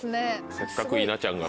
せっかく稲ちゃんが。